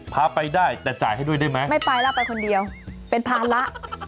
พาไปได้แต่จ่ายให้ด้วยได้ไหมไม่ไปแล้วไปคนเดียวเป็นภาระ